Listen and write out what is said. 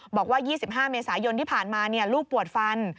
บอกว่า๒๕เมษายนที่ผ่านมาลูกปวดฟัน